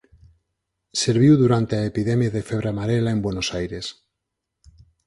Serviu durante a epidemia de febre amarela en Buenos Aires.